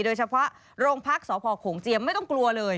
โดยเฉพาะโรงพักษพโขงเจียมไม่ต้องกลัวเลย